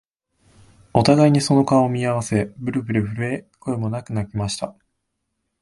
お互いにその顔を見合わせ、ぶるぶる震え、声もなく泣きました